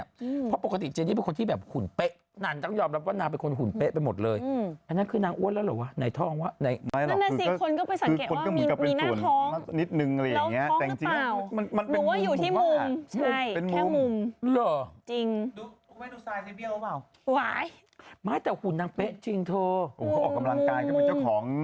แล้วพี่เจนนี่ออกกำลังกายไปนี่ไปนายวันวันทุกครั้ง